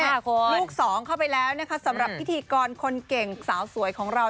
ลูกสองเข้าไปแล้วนะคะสำหรับพิธีกรคนเก่งสาวสวยของเรา